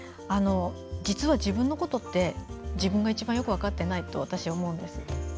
実は自分のことって自分が一番よく分かってないと私、思うんです。